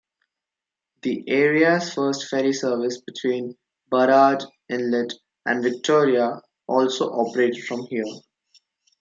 The area's first ferry service between Burrard Inlet and Victoria, also operated from here.